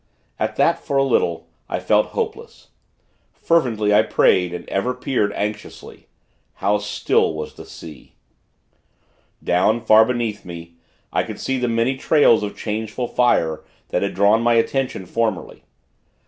At that, for a little, I felt hopeless. Fervently, I prayed, and ever peered, anxiously.... How still was the sea! Down, far beneath me, I could see the many trails of changeful fire, that had drawn my attention, formerly.